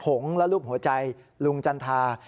หงษ์และรูปหัวใจลุงจันทรา